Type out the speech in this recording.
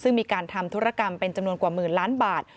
ซึ่งมีการทำธุรกรรมเป็นจำนวนกว่าหมื่นล้านบาท